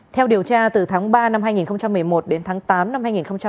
theo điều tra từ tháng ba năm hai nghìn một mươi một đến tháng tám năm hai nghìn một mươi bảy